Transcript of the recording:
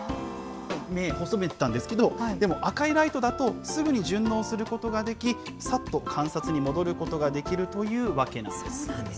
目、細めてたんですけど、でも赤いライトだと、すぐに順応することができ、さっと観察に戻ることができるというわけなんです。